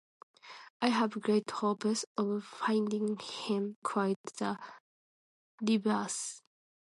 I have great hopes of finding him quite the reverse.